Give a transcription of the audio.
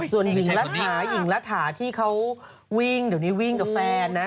ส่วนหญิงรัฐาหญิงรัฐาที่เขาวิ่งเดี๋ยวนี้วิ่งกับแฟนนะ